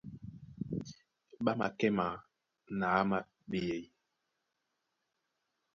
Ɓá makɛ́ maa na áma a ɓeyɛy.